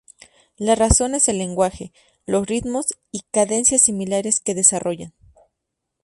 La razón es el lenguaje, los ritmos y cadencias similares que desarrollan.